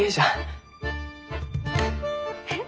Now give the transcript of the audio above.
えっ？